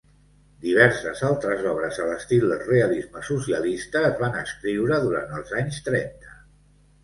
Diverses altres obres a l'estil del realisme socialista es van escriure durant els anys trenta.